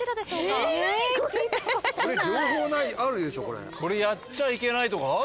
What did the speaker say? これやっちゃいけないとかあんの？